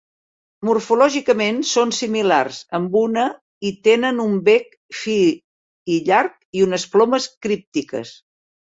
Morfològicament, són similars, amb una i tenen un bec fi i llarg i unes plomes críptiques.